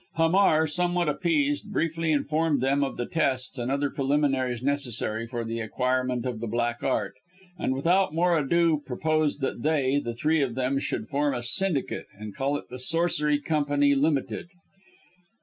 Hamar, somewhat appeased, briefly informed them of the tests and other preliminaries necessary for the acquirement of the Black Art, and without more ado proposed that they the three of them should form a Syndicate and call it the Sorcery Company Limited.